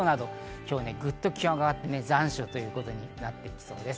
今日はぐっと気温が上がって残暑ということになってきそうです。